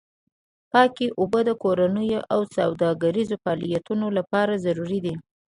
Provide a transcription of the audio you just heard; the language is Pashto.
پاکې اوبه د کورنیو او سوداګریزو فعالیتونو لپاره ضروري دي.